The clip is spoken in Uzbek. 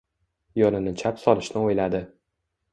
Yo‘lini chap solishni o‘yladi.